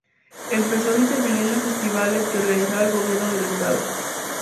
Empezó interviniendo en festivales que organizaba el gobierno del estado.